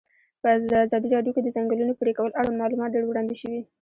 په ازادي راډیو کې د د ځنګلونو پرېکول اړوند معلومات ډېر وړاندې شوي.